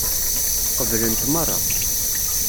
Qeblent meṛṛa.